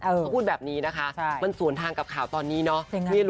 เขาพูดแบบนี้นะคะมันสวนทางกับข่าวตอนนี้เนาะ